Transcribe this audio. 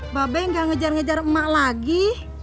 mbak be nggak ngejar ngejar emak lagi